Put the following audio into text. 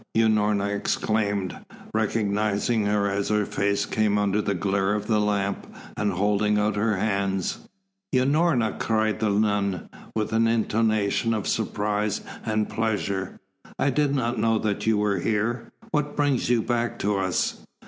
Unorna exclaimed, recognising her as her face came under the glare of the lamp, and holding out her hands. "Unorna!" cried the nun, with an intonation of surprise and pleasure. "I did not know that you were here. What brings you back to us?"